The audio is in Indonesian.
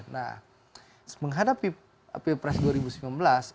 nah menghadapi pilpres dua ribu sembilan belas